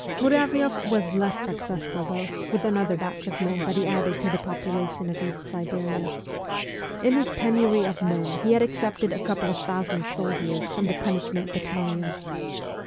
Muravioff was less successful, though, with another batch of men that he added to the population of East Siberia. In his penury of men he had accepted a couple of thousand soldiers from the punishment battalions.